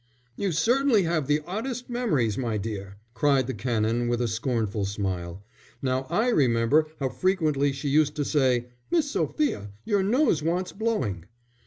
'" "You certainly have the oddest memories, my dear," cried the Canon, with a scornful smile. "Now I remember how frequently she used to say: 'Miss Sophia, your nose wants blowing.